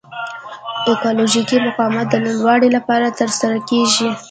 ایکالوژیکي مقاومت د لوړلولو لپاره ترسره کیږي.